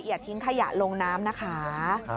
อย่าทิ้งขยะลงน้ำนะคะ